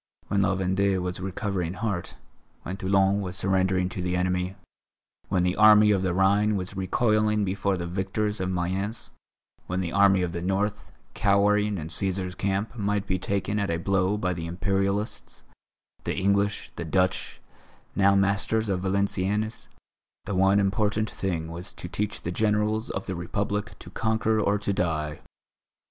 When La Vendée was recovering heart, when Toulon was surrendering to the enemy, when the army of the Rhine was recoiling before the victors of Mayence, when the Army of the North, cowering in Cæsar's Camp, might be taken at a blow by the Imperialists, the English, the Dutch, now masters of Valenciennes, the one important thing was to teach the Generals of the Republic to conquer or to die.